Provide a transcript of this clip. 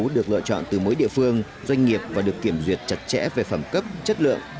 được lựa chọn từ mỗi địa phương doanh nghiệp và được kiểm duyệt chặt chẽ về phẩm cấp chất lượng